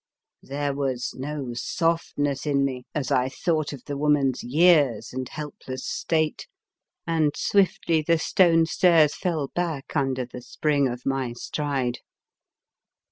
There was no softness in me as I thought of the 69 The Fearsome Island woman's years and helpless state, and swiftly the stone stairs fell back under the spring of my stride.